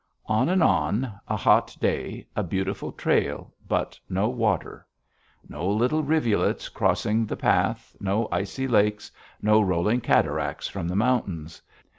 On and on, a hot day, a beautiful trail, but no water. No little rivulets crossing the path, no icy lakes, no rolling cataracts from the mountains.